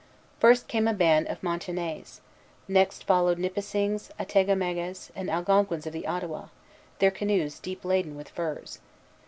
First came a band of Montagnais; next followed Nipissings, Atticamegues, and Algonquins of the Ottawa, their canoes deep laden with furs.